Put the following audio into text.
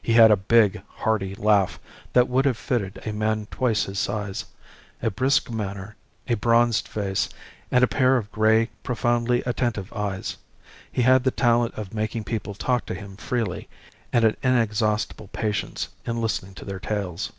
He had a big, hearty laugh that would have fitted a man twice his size, a brisk manner, a bronzed face, and a pair of grey, profoundly attentive eyes. He had the talent of making people talk to him freely, and an inexhaustible patience in listening to their tales.